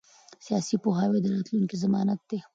سیاسي پوهاوی د راتلونکي ضمانت دی